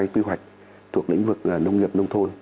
một mươi ba quy hoạch thuộc lĩnh vực nông nghiệp nông thôn